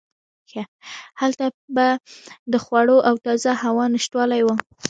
هلته به د خوړو او تازه هوا نشتوالی و.